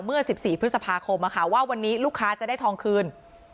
เมื่อสิบสี่พฤษภาคมอะค่ะว่าวันนี้ลูกค้าจะได้ทองคืน